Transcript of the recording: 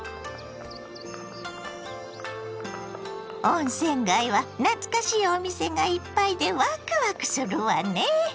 温泉街は懐かしいお店がいっぱいでワクワクするわね。